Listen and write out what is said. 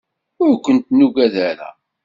Ur kent-nuggad ara.